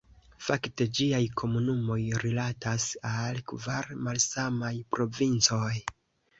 Fakte ĝiaj komunumoj rilatas al kvar malsamaj provincoj.